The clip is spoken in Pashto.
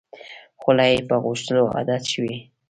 خوله یې په غوښتلو عادت شوې.